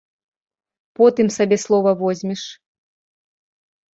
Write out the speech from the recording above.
Потым сабе слова возьмеш.